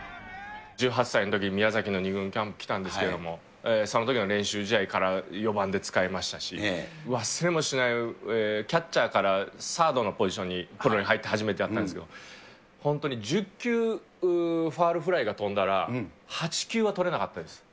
１８歳のときに宮崎の２軍キャンプ来たんですけれども、そのときの練習試合から４番で使いましたし、忘れもしない、キャッチャーからサードのポジションにプロに入って初めてやったんですけど、本当に１０球ファウルフライが飛んだら、８球は捕れなかったです。